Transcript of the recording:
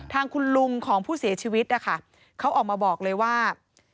ทางคุณลุงของผู้เสียชีวิตนะคะเขาออกมาบอกเลยว่า